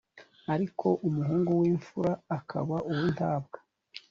ariko umuhungu w’imfura akaba uw’intabwa,